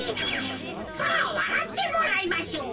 さあわらってもらいましょう。